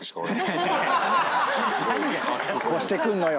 超してくんのよ。